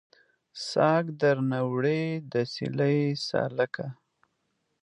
ساګ درنه وړی دی سیلۍ سالکه